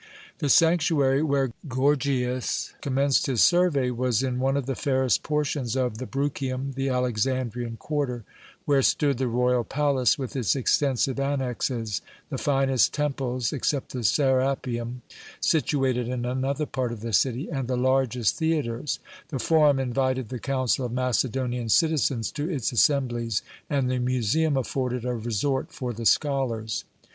The sanctuary whence Gorgias commenced his survey was in one of the fairest portions of the Bruchium, the Alexandrian quarter, where stood the royal palace with its extensive annexes, the finest temples except the Serapeum, situated in another part of the city and the largest theatres; the Forum invited the council of Macedonian citizens to its assemblies, and the Museum afforded a resort for the scholars.